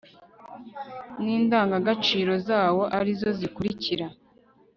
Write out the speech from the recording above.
n indangagaciro zawo ari zo zikurikira